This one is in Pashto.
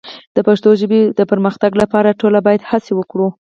د پښتو ژبې د پرمختګ لپاره ټول باید هڅه وکړو.